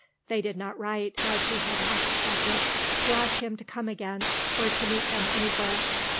They did not write, as he had half expected, to ask him to come again, or to meet them anywhere.